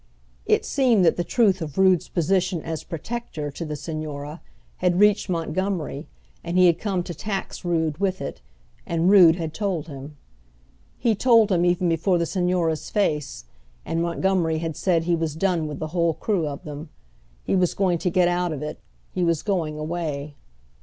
It seemed that the truth of Rood's position as "protector" to the Señora had reached Montgomery, and he had come to tax Rood with it, and Rood had told him. He told him even before the Señora's face, and Montgomery had said he was done with the whole crew of them. He was going to get out of it, he was going away.